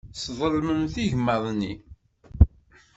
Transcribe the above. Tselḍemt igmaḍ-nni.